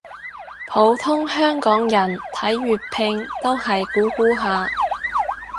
普通香港人睇粵拼都係估估下